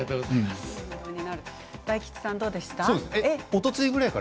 大吉さん、どうでしたか？